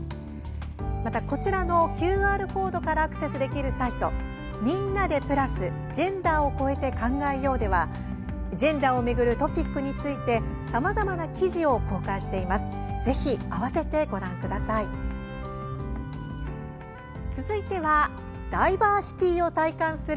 また、こちらのＱＲコードからアクセスできるサイト「みんなでプラスジェンダーをこえて考えよう」ではジェンダーを巡るトピックについてさまざまな記事を公開しています。